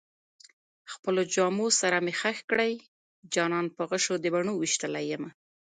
خپلو جامو سره مې خښ کړئ جانان په غشو د بڼو ويشتلی يمه